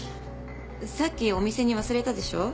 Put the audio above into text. さっきお店に忘れたでしょう？